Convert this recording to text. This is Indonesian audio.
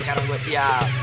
sekarang gue siap